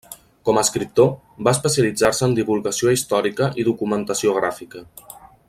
Com a escriptor, va especialitzar-se en divulgació històrica i documentació gràfica.